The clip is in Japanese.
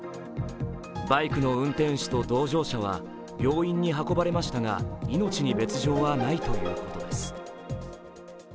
バイクの運転手と同乗者は病院に運ばれましたが命に別状はないということです。